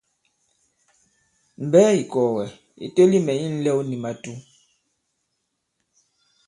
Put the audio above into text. Mbɛ̌ ì kɔ̀gɛ̀ ì teli mɛ̀ i ǹlɛw nì màtǔ.